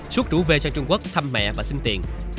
xuất rủ về sang trung quốc thăm mẹ và xin tiện